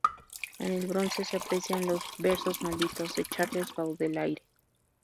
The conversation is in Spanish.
En el bronce se aprecian los ≪versos malditos≫ de Charles Baudelaire.